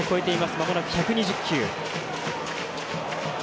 まもなく１２０球。